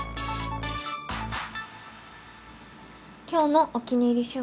今日のお気に入り